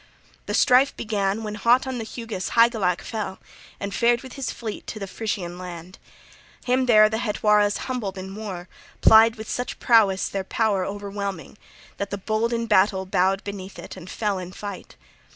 The strife began when hot on the Hugas {38d} Hygelac fell and fared with his fleet to the Frisian land. Him there the Hetwaras humbled in war, plied with such prowess their power o'erwhelming that the bold in battle bowed beneath it and fell in fight.